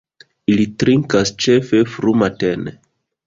Ili trinkas ĉefe frumatene.